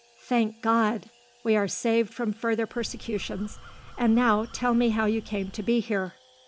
"Thank God! We are saved from further persecutions! And now, tell me how you came to be here."